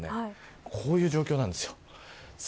こういう状況です。